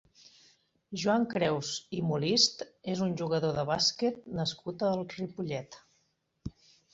Joan Creus i Molist és un jugador de bàsquet nascut a Ripollet.